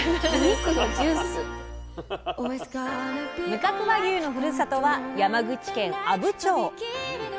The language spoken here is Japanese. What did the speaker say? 無角和牛のふるさとは山口県阿武町。